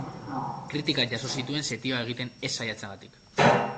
Kritikak jaso zituen setioa egiten ez saiatzeagatik.